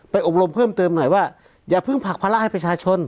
อบรมเพิ่มเติมหน่อยว่าอย่าเพิ่งผลักภาระให้ประชาชน